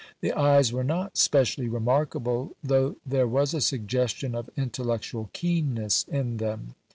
The eyes were not specially remarkable, though there was a suggestion of intellectual keenness in them.